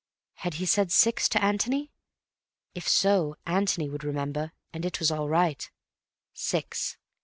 Had he said "six" to Antony? If so, Antony would remember, and it was all right. Six.